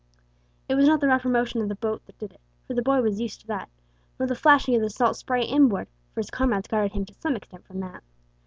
It was not the rougher motion of the boat that did it, for the boy was used to that; nor the flashing of the salt spray inboard, for his comrades guarded him to some extent from that.